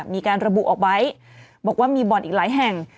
มีการระบุออกไว้บอกว่ามีบ่อนอีกหลายแห่ง